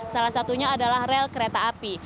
salah satunya adalah rel kereta api